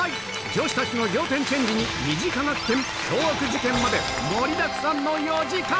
女子たちの仰天チェンジに身近な危険凶悪事件まで盛りだくさんの４時間！